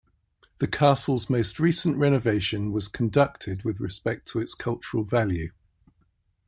The castle's most recent renovation was conducted with respect to its cultural value.